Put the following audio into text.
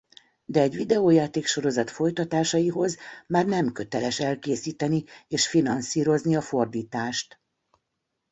De egy videójáték-sorozat folytatásaihoz már nem köteles elkészíteni és finanszírozni a fordítást.